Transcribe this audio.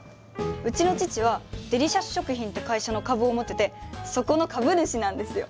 うちの父はデリシャス食品って会社の株を持っててそこの株主なんですよ。